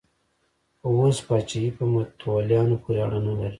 خو اوس پاچاهي په متولیانو پورې اړه نه لري.